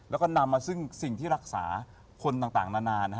แล้วก็นำมาซึ่งสิ่งที่รักษาคนต่างนานา